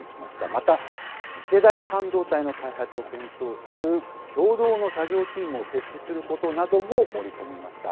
また次世代半導体の開発を検討する共同の作業チームを設置することなども盛り込みました。